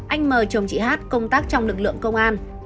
anh mời chồng chị hát công tác trong lực lượng công an